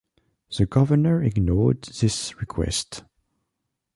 The governor ignored this request.